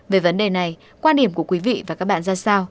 về vấn đề này quan điểm của quý vị và các bạn ra sao